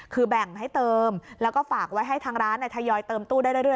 คือแบ่งให้เติมแล้วก็ฝากไว้ให้ทางร้านทยอยเติมตู้ได้เรื่อย